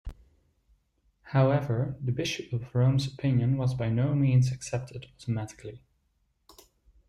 However, the Bishop of Rome's opinion was by no means accepted automatically.